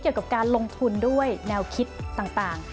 เกี่ยวกับการลงทุนด้วยแนวคิดต่าง